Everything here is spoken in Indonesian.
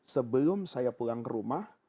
sebelum saya pulang ke rumah